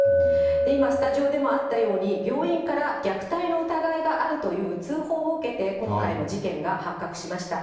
今、スタジオでもあったように、病院から虐待の疑いがあるという通報を受けて今回の事件が発覚しました。